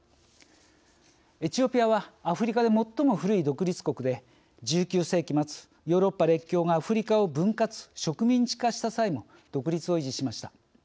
エチオピアはアフリカで最も古い独立国で１９世紀末ヨーロッパ列強がアフリカを分割植民地化した際も独立を維持しました。